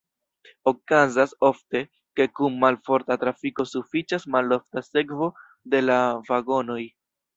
Okazas ofte, ke dum malforta trafiko sufiĉas malofta sekvo de la vagonoj.